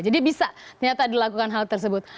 jadi bisa ternyata dilakukan hal tersebut